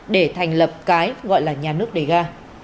để thành lập cái gọi là nhà nước đề ga